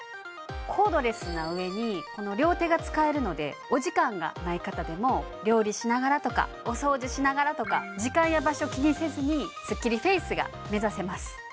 コードレスなうえに両手が使えるのでお時間がない方でも料理しながらとかお掃除しながらとか時間や場所気にせずにスッキリフェイスが目指せます